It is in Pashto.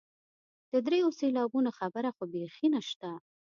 د دریو سېلابونو خبره خو بیخي نشته.